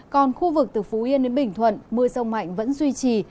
còn khu vực từ phú yên đến bình thuận mưa rông mạnh vẫn duy trì